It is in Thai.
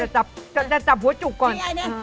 จับจะจับหัวจุกก่อน